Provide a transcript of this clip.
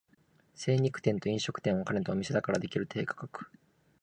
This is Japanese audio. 精肉店と飲食店を兼ねたお店だからできる低価格